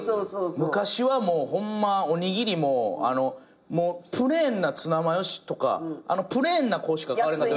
昔はもうホンマおにぎりもプレーンなツナマヨとかあのプレーンな子しか買われんかった。